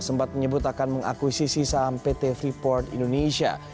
sempat menyebut akan mengakuisisi saham pt freeport indonesia